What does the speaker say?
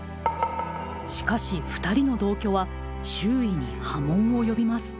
しかしふたりの同居は周囲に波紋を呼びます。